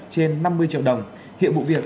trên năm mươi triệu đồng hiện bộ việc